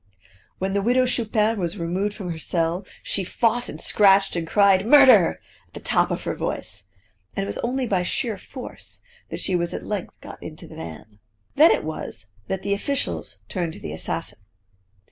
When the Widow Chupin was removed from her cell she fought and scratched and cried "Murder!" at the top of her voice; and it was only by sheer force that she was at length got into the van. Then it was that the officials turned to the assassin.